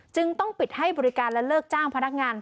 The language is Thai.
จึงต้องปิดให้บริการและเลิกจ้างพนักงาน